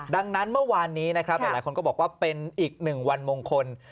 ดังนั้นเมื่อวานนี้นะครับหลายคนก็บอกว่าเป็นอีกหนึ่งวันมงคล